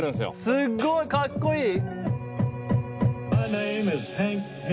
すごい！かっこいい！